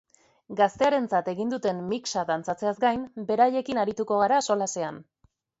Gaztearentzat egin duten mix-a dantzatzeaz gain beraiekin arituko gara solasean.